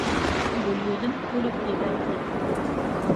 — Гөлйөҙөм көлөп ебәрҙе.